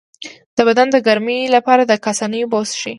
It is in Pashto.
د بدن د ګرمۍ لپاره د کاسني اوبه وڅښئ